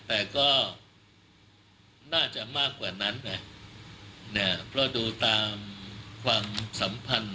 แต่ก็น่าจะมากกว่านั้นนะเพราะดูตามความสัมพันธ์